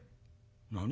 「何？